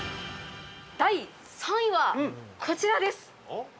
◆第３位はこちらです！